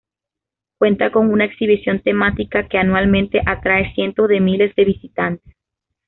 Cuenta con una exhibición temática que anualmente atrae cientos de miles de visitantes.